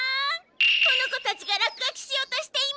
この子たちが落書きしようとしています！